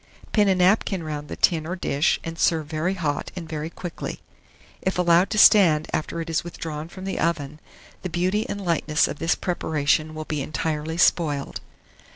Pin a napkin round the tin or dish, and serve very hot and very quickly. If allowed to stand after it is withdrawn from the oven, the beauty and lightness of this preparation will be entirely spoiled.